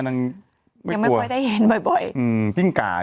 ตอนนี้กลัวจิ้งจกแล้ว